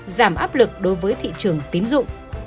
giảm áp lực đối với thị trường tín dụng